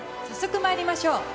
早速まいりましょう。